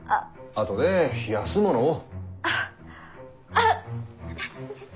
あっ大丈夫です。